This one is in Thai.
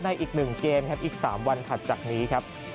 อีก๑เกมครับอีก๓วันถัดจากนี้ครับ